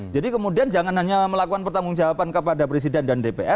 jadi kemudian jangan hanya melakukan pertanggung jawaban kepada presiden dan dpr